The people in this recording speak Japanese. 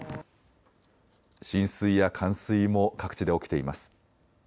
浸水や冠水も各地で起きています。